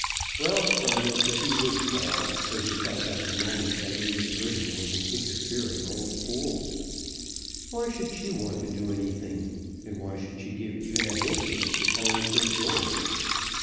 Ralph promised that he would call, though he felt at the moment that Lady Eardham was an interfering old fool. Why should she want to do anything; and why should she give even a hint as to telling Sir George?